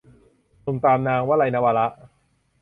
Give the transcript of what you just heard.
หนุ่มตามนาง - วลัย นวาระ